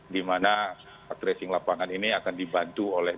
di mana tracing lapangan ini akan dibantu oleh